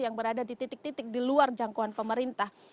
yang berada di titik titik di luar jangkauan pemerintah